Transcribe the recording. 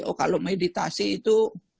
oh kalau meditasi itu